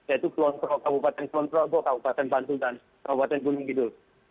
yaitu kulonpro kabupaten kulonprogo kabupaten bantul dan kabupaten gunung kidul